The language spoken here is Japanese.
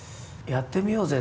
「やってみようぜ」。